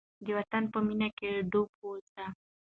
د وطن په مینه کې ډوب اوسئ.